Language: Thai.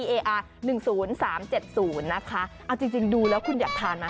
เอาจรบจริงดูแล้วคุณอยากทานมา